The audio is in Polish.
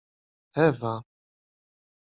Ewa.